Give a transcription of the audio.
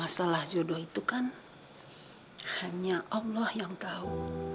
masalah jodoh itu kan hanya allah yang tahu